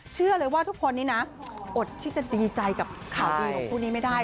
เชื่อเลยว่าทุกคนนี้นะอดที่จะดีใจกับข่าวดีของคู่นี้ไม่ได้